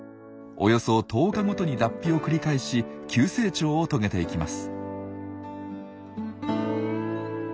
およそ１０日ごとに脱皮を繰り返し急成長を遂げていきます。